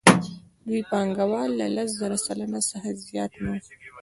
لوی پانګوال له لس سلنه څخه زیات نه وو